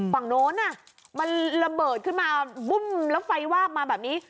ฝั่งโน้นมันระเบิดขึ้นมาบุ้มแล้วไฟวาบมาแบบนี้